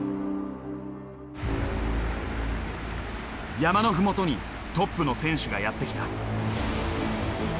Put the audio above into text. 山の麓にトップの選手がやって来た。